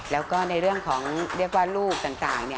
แล้วก็ในเรื่องของเรียกว่ารูปต่าง